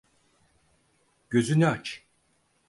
Gözünü aç.